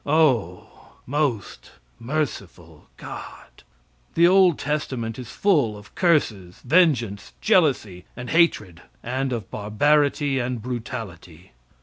Oh, most merciful God! The old testament is full of curses, vengeance, jealousy and hatred, and of barbarity and brutality.